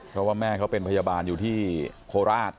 เพราะว่าแม่เขาเป็นพยาบาลอยู่ที่โคราช